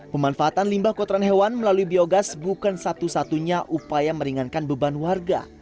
pemanfaatan limbah kotoran hewan melalui biogas bukan satu satunya upaya meringankan beban warga